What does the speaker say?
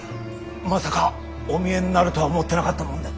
まさかお見えになるとは思ってなかったもんで。